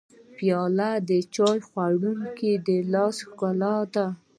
پیاله د چای خوړونکي د لاس ښکلا ده.